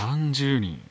３０人。